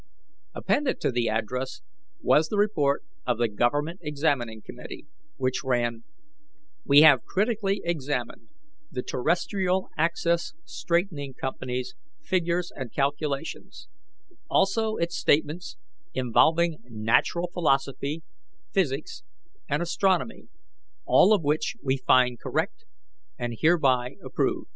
Appended to the address was the report of the Government Examining Committee, which ran: "We have critically examined the Terrestrial Axis Straightening Company's figures and calculations, also its statements involving natural philosophy, physics, and astronomy, all of which we find correct, and hereby approve.